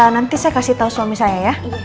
nanti saya kasih tahu suami saya ya